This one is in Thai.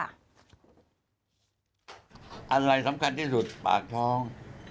อะไรสำคัญที่สุดปากท้อง